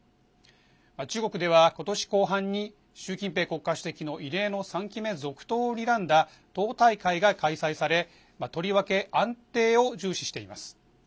中国では、ことし後半に習近平国家主席の異例の３期目続投をにらんだ党大会が開催されとりわけ安定を重視しています。